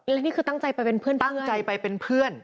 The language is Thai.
แล้วนี่คือตั้งใจไปเป็นเพื่อน